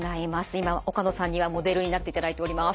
今岡野さんにはモデルになっていただいております。